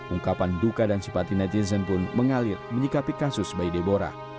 ungkapan duka dan simpati netizen pun mengalir menyikapi kasus bayi debora